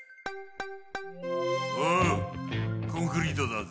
おうコンクリートだぜ。